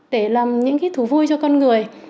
để làm những cái thú vui cho con người